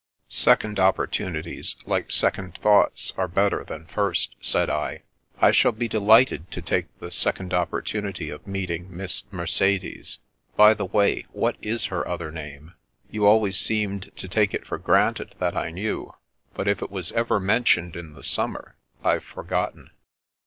Second opportunities, like second thougfhts, are better than first," said I. '' I shall be delighted to take the second opportunity of meeting Miss Mercedes — ^by the way, what is her other name? You always seemed to take it for granted that I knew; but if it was ever mentioned in the summer, I've forgotten."